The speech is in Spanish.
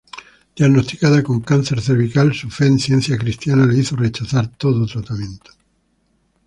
Diagnosticada con cáncer cervical, su fe en Ciencia Cristiana le hizo rechazar todo tratamiento.